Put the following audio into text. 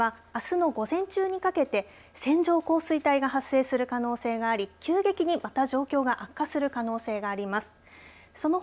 この地域ではあすの午前中にかけて線状降水帯が発生する可能性があり急激にまた状況が悪化する可能性があります。